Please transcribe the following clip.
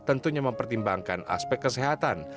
tentunya mempertimbangkan aspek kesehatan